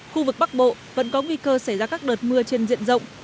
khu vực bắc bộ vẫn có nguy cơ xảy ra các đợt mưa trên diện rộng